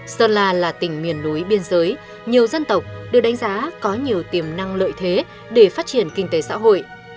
sơn la là tỉnh miền núi biên giới nhiều dân tộc được đánh giá có nhiều tiềm năng lợi thế để phát triển kinh tế xã hội